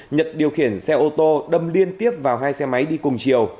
nhật điều khiển xe ô tô đâm liên tiếp vào hai xe máy đi cùng chiều